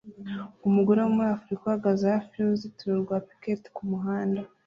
Umugore wo muri Afurika uhagaze hafi y'uruzitiro rwa piketi kumuhanda